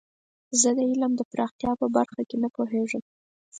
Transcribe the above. زه د علم د پراختیا په برخه کې نه پوهیږم.